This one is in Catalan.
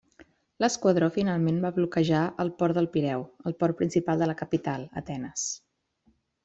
L'esquadró finalment va bloquejar el port del Pireu, el port principal de la capital, Atenes.